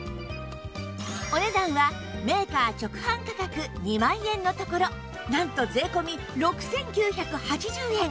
お値段はメーカー直販価格２万円のところなんと税込６９８０円